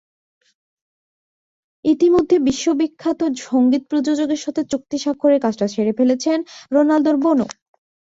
ইতিমধ্যে বিশ্বখ্যাত সংগীত প্রযোজকের সঙ্গে চুক্তি স্বাক্ষরের কাজটা সেরে ফেলেছেন রোনালদোর বোনও।